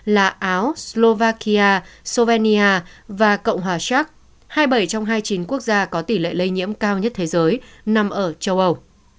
là áo slovakia survenia và cộng hòa shac hai mươi bảy trong hai mươi chín quốc gia có tỷ lệ lây nhiễm cao nhất thế giới nằm ở châu âu